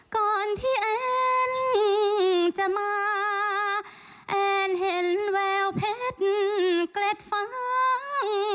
ก่อนที่แอนจะมาแอนเห็นแววเพชรเกล็ดฟาง